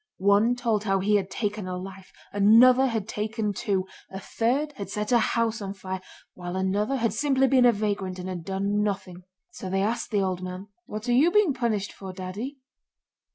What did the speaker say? One told how he had taken a life, another had taken two, a third had set a house on fire, while another had simply been a vagrant and had done nothing. So they asked the old man: 'What are you being punished for, Daddy?